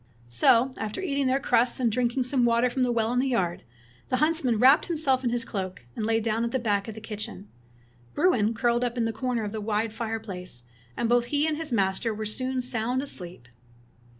'' So after eating all their crusts, and drink ing some water from the well in the yard, the huntsman wrapped himself in his cloak, and lay down at the back of the kitchen. Bruin curled up in a corner of the wide fire place, and both he and his master were soon sound asleep.